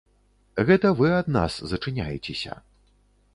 Гэта вы ад нас зачыняецеся.